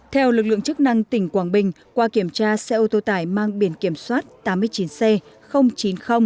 theo lực lượng chức năng tỉnh quảng bình qua kiểm tra xe ô tô tải mang biển kiểm soát tám mươi chín c chín nghìn ba mươi một